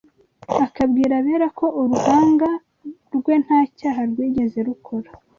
akabwira abera ko uruhanga rwe nta cyaha rwigeze rukora